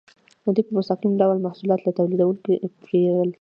دوی په مستقیم ډول محصولات له تولیدونکو پیرل.